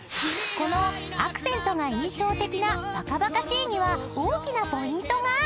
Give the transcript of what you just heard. ［このアクセントが印象的な「馬鹿馬鹿しい」には大きなポイントが］